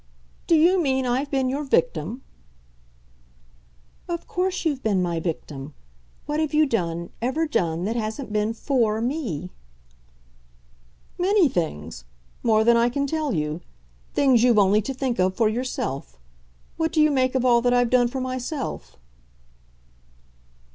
"Do you mean I've been your victim?" "Of course you've been my victim. What have you done, ever done, that hasn't been FOR me?" "Many things; more than I can tell you things you've only to think of for yourself. What do you make of all that I've done for myself?"